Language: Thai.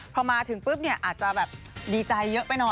พอมาถึงปุ๊บเนี่ยอาจจะแบบดีใจเยอะไปหน่อย